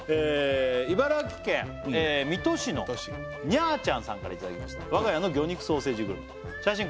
茨城県水戸市のにゃーちゃんさんからいただきました我が家の魚肉ソーセージグルメ写真